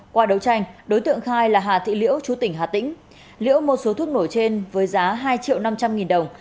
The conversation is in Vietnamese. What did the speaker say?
qua đấu tranh đối tượng khai là hà thị liễu chú tỉnh hà tĩnh liễu mua số thuốc nổ trên với giá hai triệu năm trăm linh nghìn đồng